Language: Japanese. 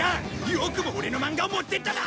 よくもオレの漫画を持ってったな！